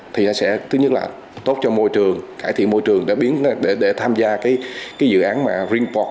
thì sẽ tốt cho môi trường cải thiện môi trường để tham gia dự án ringport